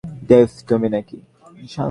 Dave, তুমি নাকি?